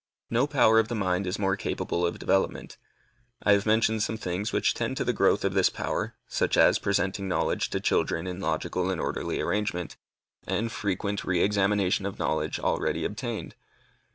No power of the mind is more capable of development. I have mentioned some things which tend to the growth of this power, such as presenting knowledge to children in logical and orderly arrangement, and frequent re examination of knowledge already obtained.